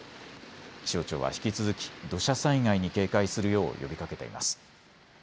気象庁は引き続き土砂災害に警戒するよう呼びかけています。